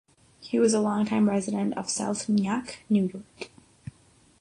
He was a longtime resident of South Nyack, New York.